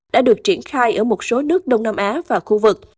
đã được triển khai ở một số nước đông nam á và khu vực